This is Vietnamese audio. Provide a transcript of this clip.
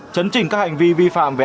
chấn trình các hành vi vi phạm về